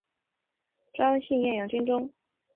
拟杆菌属被归类在革兰氏阴性菌和专性厌氧菌中。